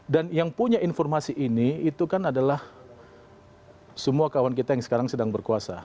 dan yang punya informasi ini itu kan adalah semua kawan kita yang sekarang sedang berkuasa